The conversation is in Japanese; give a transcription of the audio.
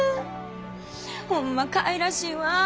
ホンマかいらしいわ。